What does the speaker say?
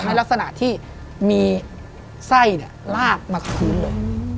ในลักษณะที่มีไส้ลากมาพื้นเลย